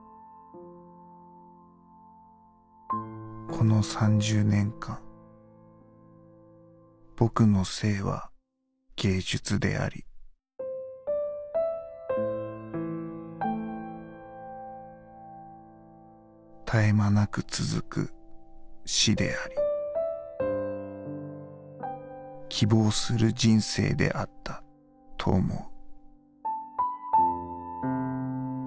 「この３０年間僕の生は芸術であり絶え間なく続く死であり希望する人生であったと思う」。